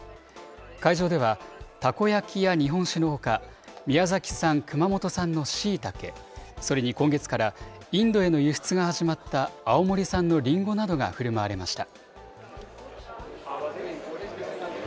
会場ではたこ焼きや日本酒のほか、宮崎産、熊本産のしいたけ、それに今月からインドへの輸出が始まった青森産のりんごなどがふるまわれました。